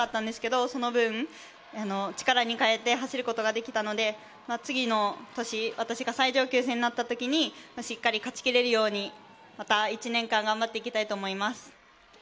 今回、祐香先輩が走ることがなかったんですが、その分、力に変えて走ることができたので次の年、私が最上級生になったときにしっかり勝ち切れるようにまた１年間頑張っていきたいと思います。